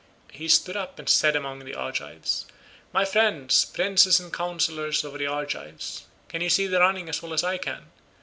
He stood up and said among the Argives, "My friends, princes and counsellors of the Argives, can you see the running as well as I can?